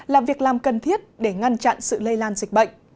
là việc làm cần thiết để ngăn chặn sự lây lan dịch bệnh